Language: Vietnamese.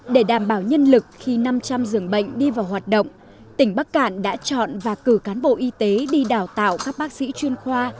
để đảm bảo nhân lực khi năm trăm linh giường bệnh đi vào hoạt động tỉnh bắc cạn đã chọn và cử cán bộ y tế đi đào tạo các bác sĩ chuyên khoa